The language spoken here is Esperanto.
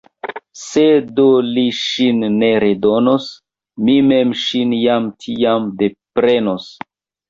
Se do li ŝin ne redonos, mi mem ŝin jam tiam deprenos.